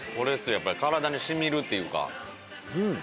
やっぱり体に染みるっていうか。